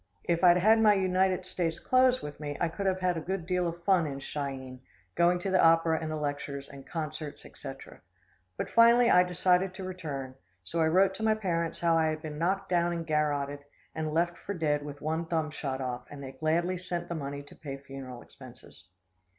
If I'd had my United States clothes with me, I could have had a good deal of fun in Chi eene, going to the opera and the lectures, and concerts, et cetera. But finally I decided to return, so I wrote to my parents how I had been knocked down and garroted, and left for dead with one thumb shot off, and they gladly sent the money to pay funeral expenses.